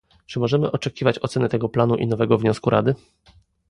Czy możemy oczekiwać oceny tego planu i nowego wniosku Rady?